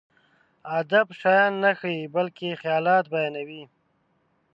ادب شيان نه ښيي، بلکې خيالات بيانوي.